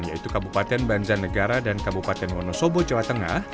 yaitu kabupaten banjarnegara dan kabupaten wonosobo jawa tengah